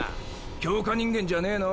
強化人間じゃねぇの？